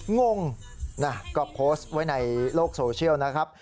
งงนะก็โพสต์ไว้ในโลกโซเชียลนะครับ